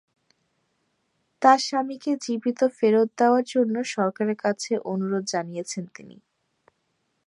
তাঁর স্বামীকে জীবিত ফেরত দেওয়ার জন্য সরকারের কাছে অনুরোধ জানিয়েছেন তিনি।